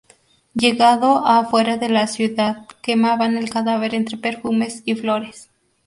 Llegado a fuera de la ciudad, quemaban el cadáver entre perfumes y flores.